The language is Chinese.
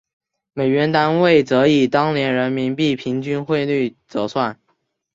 美元单位则以当年人民币平均汇率折算。